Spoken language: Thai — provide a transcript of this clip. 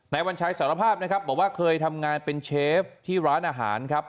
วัญชัยสารภาพนะครับบอกว่าเคยทำงานเป็นเชฟที่ร้านอาหารครับ